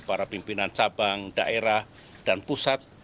para pimpinan cabang daerah dan pusat